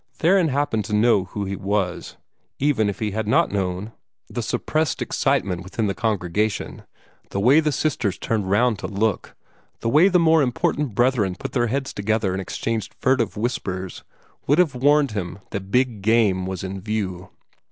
Theron happened to know who he was; even if he had not known, the suppressed excitement visible in the congregation, the way the sisters turned round to look, the way the more important brethren put their heads together and exchanged furtive whispers would have warned him that big game was in view.